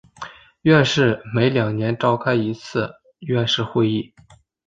院士每两年召开一次院士会议。